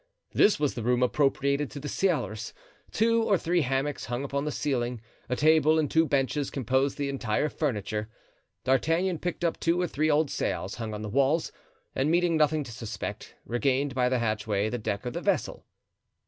This was the room appropriated to the sailors. Two or three hammocks hung upon the ceiling, a table and two benches composed the entire furniture. D'Artagnan picked up two or three old sails hung on the walls, and meeting nothing to suspect, regained by the hatchway the deck of the vessel.